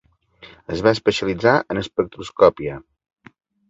Es va especialitzar en espectroscòpia.